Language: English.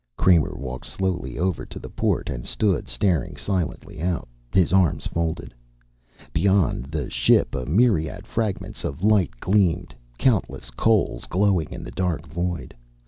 Kramer walked slowly over to the port and stood staring silently out, his arms folded. Beyond the ship a myriad fragments of light gleamed, countless coals glowing in the dark void.